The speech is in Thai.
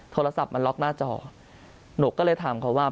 โทรศัพท์มาล็อกหน้าจอหนูก็เลยถามเขาว่า